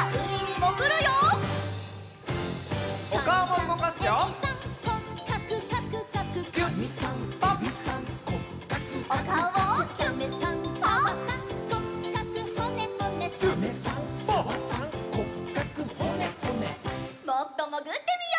もっともぐってみよう。